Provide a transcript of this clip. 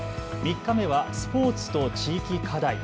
３日目はスポーツと地域課題。